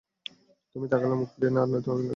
তুমি তাকালে মুখ ফিরিয়ে নেয়, আর নয়তো তাকিয়েই থাকে।